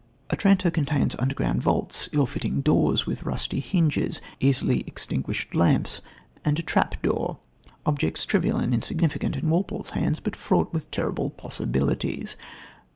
Otranto contains underground vaults, ill fitting doors with rusty hinges, easily extinguished lamps and a trap door objects trivial and insignificant in Walpole's hands, but fraught with terrible possibilities.